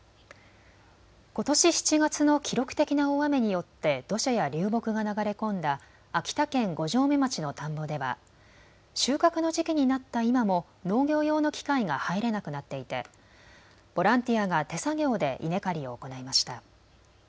ことし７月の記録的な大雨によって土砂や流木が流れ込んだ秋田県五城目町の田んぼでは収穫の時期になった今も農業用の機械が入れなくなっていてボランティアが手作業で稲刈りを行いました。